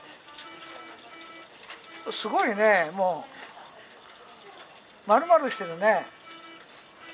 すごいねもうまるまるしてるね。